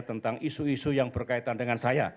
tentang isu isu yang berkaitan dengan saya